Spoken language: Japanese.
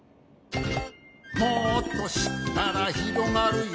「もっとしったらひろがるよ」